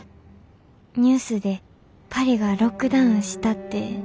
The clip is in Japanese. ニュースでパリがロックダウンしたって知りました。